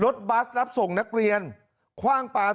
สวัสดีครับ